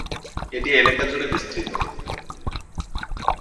এটি এলাকা জুড়ে বিস্তৃত।